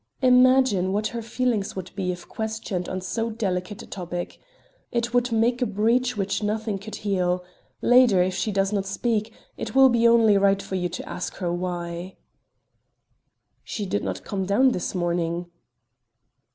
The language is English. "Imagine what her feelings would be if questioned on so delicate a topic. It would make a breach which nothing could heal. Later, if she does not speak, it will be only right for you to ask her why." "She did not come down this morning."